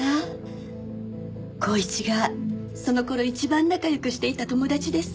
光一がその頃一番仲良くしていた友達です。